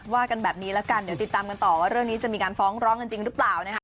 ว่ากันแบบนี้แล้วกันเดี๋ยวติดตามกันต่อว่าเรื่องนี้จะมีการฟ้องร้องกันจริงหรือเปล่านะคะ